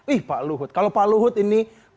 wih pak luhut kalau pak luhut ini